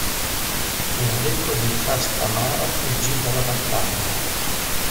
Enrico di Trastamara fuggì dalla battaglia.